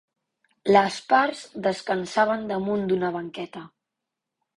Les parts descansaven damunt d'una banqueta.